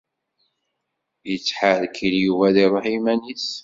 Yettḥeṛkil Yuba ad iṛuḥ iman-is.